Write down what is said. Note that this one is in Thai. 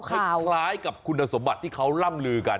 คล้ายกับคุณสมบัติที่เขาล่ำลือกัน